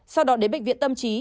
sau đó đến bệnh viện tâm trí